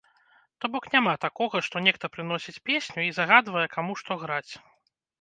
То бок няма такога, што нехта прыносіць песню і загадвае, каму што граць.